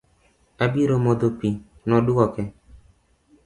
Abiro modho pii, nodwoke